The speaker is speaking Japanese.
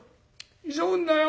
急ぐんだよ。